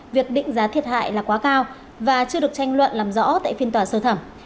việc định giá thiệt hại là quá cao và chưa được tranh luận làm rõ tại phiên tòa sơ thẩm